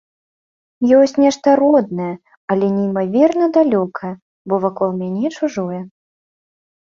Ёсць нешта роднае, але неймаверна далёкае, бо вакол мяне чужое.